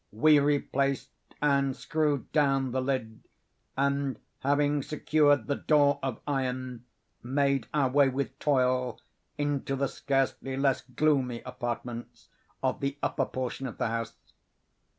We replaced and screwed down the lid, and, having secured the door of iron, made our way, with toil, into the scarcely less gloomy apartments of the upper portion of the house.